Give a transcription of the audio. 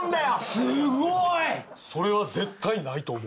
すごい。それは絶対ないと思う。